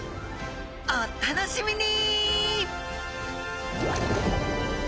お楽しみに！